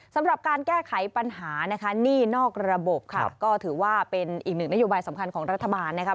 สำหรับการแก้ไขปัญหานะคะหนี้นอกระบบค่ะก็ถือว่าเป็นอีกหนึ่งนโยบายสำคัญของรัฐบาลนะคะ